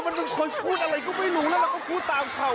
มันเป็นคนพูดอะไรก็ไม่รู้แล้วเราก็พูดตามเขา